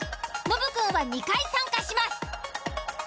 ノブくんは２回参加します。